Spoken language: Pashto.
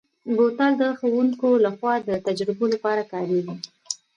بوتل د ښوونکو لخوا د تجربو لپاره کارېږي.